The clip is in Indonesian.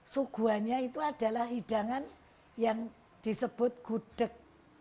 suguhannya itu adalah hidangan yang disebut gudeg